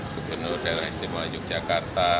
gubernur dara estimewa yogyakarta